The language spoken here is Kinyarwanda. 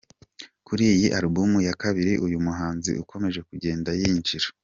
Kuri iyi album ya kabiri uyu muhanzi ukomeje kugenda yinjira.